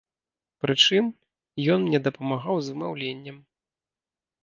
Прычым, ён мне дапамагаў з вымаўленнем.